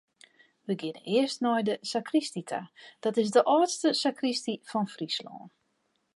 We geane earst nei de sakristy ta, dat is de âldste sakristy fan Fryslân.